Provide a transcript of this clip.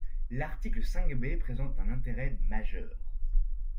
L’article cinq B présente un intérêt majeur.